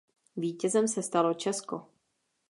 Vítězem se stalo Česko.